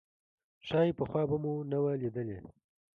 ښايي پخوا به مو نه وه لیدلې.